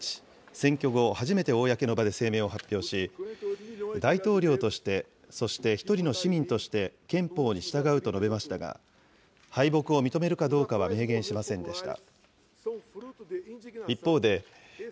ボルソナロ大統領は１日、選挙後、初めて公の場で声明を発表し、大統領としてそして１人の市民として、憲法に従うと述べましたが、敗北を認めるかどうかは明言しませんでした。